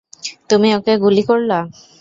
তুমি ওকে গুলি করলা।